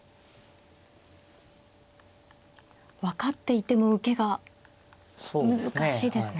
分かっていても受けが難しいですね。